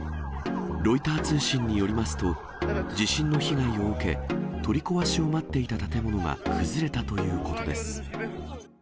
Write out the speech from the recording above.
ロイター通信によりますと、地震の被害を受け、取り壊しを待っていた建物が崩れたということです。